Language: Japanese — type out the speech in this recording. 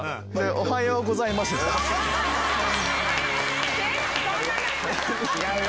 おはようございます！です。